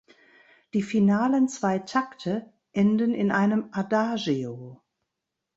Die finalen zwei Takte enden in einem Adagio.